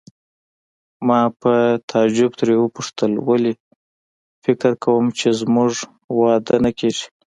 ما په تعجب ترې وپوښتل: ولې فکر کوې چې زموږ واده نه کیږي؟